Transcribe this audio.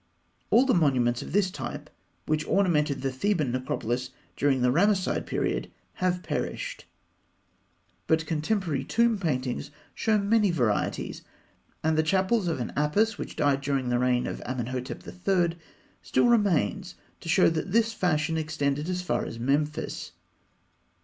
All the monuments of this type which ornamented the Theban necropolis during the Ramesside period have perished, but contemporary tomb paintings show many varieties, and the chapel of an Apis which died during the reign of Amenhotep III. still remains to show that this fashion extended as far as Memphis.